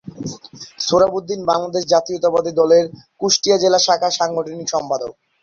সোহরাব উদ্দিন বাংলাদেশ জাতীয়তাবাদী দলের কুষ্টিয়া জেলা শাখার সাংগঠনিক সম্পাদক।